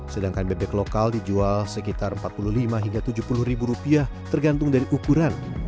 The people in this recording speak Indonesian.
sedangkan bebek lokal dijual sekitar rp empat puluh lima hingga rp tujuh puluh tergantung dari ukuran